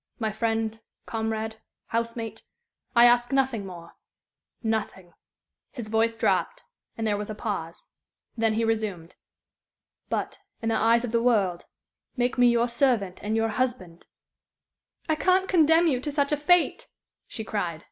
My friend, comrade, housemate. I ask nothing more nothing." His voice dropped, and there was a pause. Then he resumed. "But, in the eyes of the world, make me your servant and your husband!" "I can't condemn you to such a fate," she cried.